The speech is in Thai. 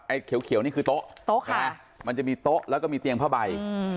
เขียวนี่คือโต๊ะโต๊ะค่ะมันจะมีโต๊ะแล้วก็มีเตียงผ้าใบ